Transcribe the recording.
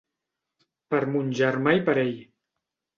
Per mon germà i per ell.